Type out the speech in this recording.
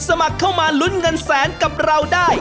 สมัครเข้ามาลุ้นเงินแสนกับเราได้